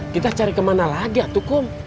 kita cari kemana lagi atau kum